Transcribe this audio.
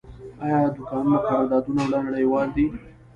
آیا د کانونو قراردادونه نړیوال دي؟